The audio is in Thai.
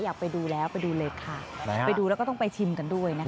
อยากไปดูแล้วไปดูเลยค่ะไปดูแล้วก็ต้องไปชิมกันด้วยนะคะ